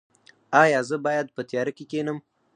ایا زه باید په تیاره کې کینم؟